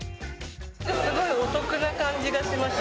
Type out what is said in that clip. すごいお得な感じがしました。